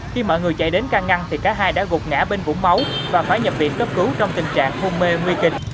khi mọi người chạy đến căng ngăn thì cả hai đã gục ngã bên vũng máu và phải nhập viện cấp cứu trong tình trạng hung mê nguy kịch